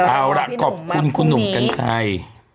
เอาล่ะขอบคุณคุณหนุ่มกัญชัย